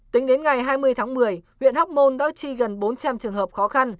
tính đến ngày hai mươi tháng một mươi huyện hóc môn đã chi gần bốn trăm linh trường hợp khó khăn